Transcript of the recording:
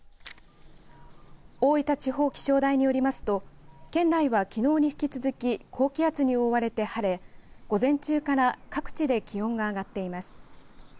大分地方気象台によりますと県内はきのうに引き続き高気圧に覆われて晴れ午前中から各地で気温が上がっています。